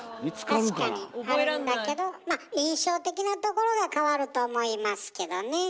確かにあるんだけどまあ印象的なところが変わると思いますけどね。